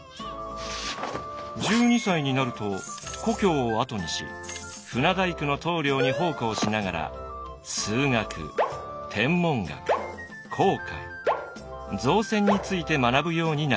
１２歳になると故郷を後にし船大工の棟梁に奉公しながら数学天文学航海造船について学ぶようになります。